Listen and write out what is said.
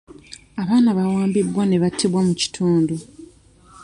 Abaana bawambibwa ne battibwa mu kitundu.